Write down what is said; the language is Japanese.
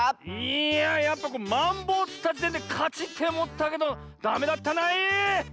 いややっぱマンボウつったじてんでかちっておもったけどダメだったない！